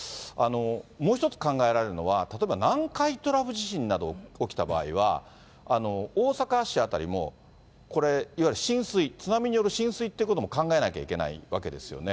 もう一つ考えられるのは、例えば南海トラフ地震など起きた場合は、大阪市辺りもこれ、いわゆる浸水、津波による浸水ってことも考えなきゃいけないわけですよね。